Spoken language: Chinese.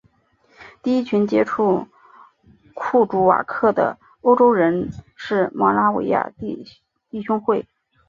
第一群接触库朱瓦克的欧洲人是摩拉维亚弟兄会。